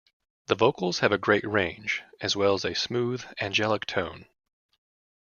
The vocals have a great range, as well as a smooth, angelic tone.